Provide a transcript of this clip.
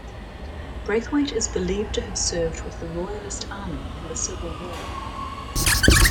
Brathwait is believed to have served with the Royalist army in the Civil War.